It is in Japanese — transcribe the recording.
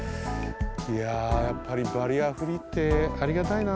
いややっぱりバリアフリーってありがたいな。